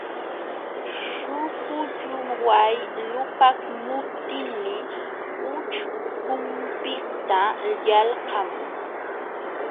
Śhukulluway lupamuptinmi ucćhkunpiqta yalqamun.